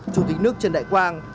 chủ tịch nước trần đại quang